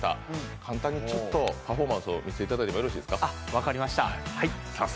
簡単にちょっとパフォーマンスを見せていただいてよろしいですか。